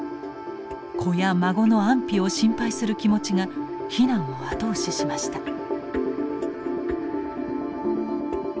子や孫の安否を心配する気持ちが避難を後押ししました。